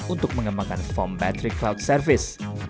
untuk mengembangkan fom battery cloud service